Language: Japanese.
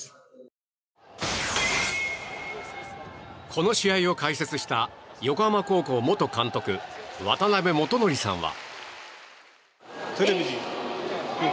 この試合を解説した横浜高校元監督渡辺元智さんは。